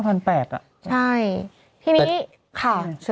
ใช่ที่นี้